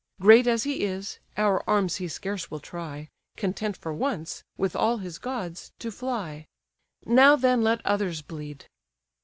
Great as he is, our arms he scarce will try, Content for once, with all his gods, to fly. Now then let others bleed."